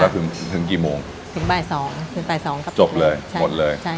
ถึงถึงกี่โมงถึงบ่ายสองถึงบ่ายสองครับจบเลยหมดเลยใช่